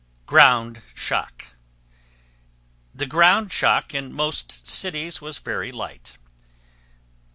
GROUND SHOCK The ground shock in most cities was very light.